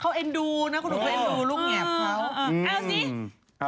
เขาเอ็นดูนะลูกแงบเขา